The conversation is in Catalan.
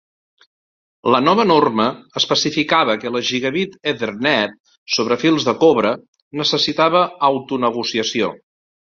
La nova norma especificava que la Gigabit Ethernet sobre fils de cobre necessitava autonegociació.